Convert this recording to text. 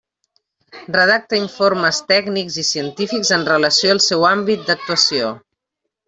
Redacta informes tècnics i científics en relació al seu àmbit d'actuació.